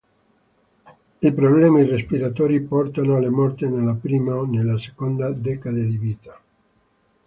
I problemi respiratori portano alla morte nella prima o nella seconda decade di vita.